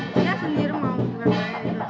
saya sendiri mau bergadah itu